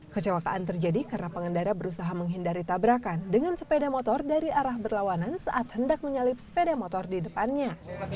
kecelakaan terjadi karena pengendara berusaha menghindari tabrakan dengan sepeda motor dari arah berlawanan saat hendak menyalip sepeda motor di depannya